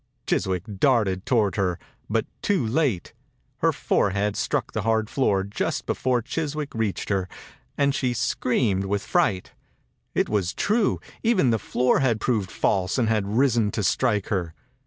Chiswick darted toward her, but too late. Her forehead struck the hard floor just before Chiswick reached her, and she screamed with fright. It was true !, Even the floor had proved false and had risen to strike her.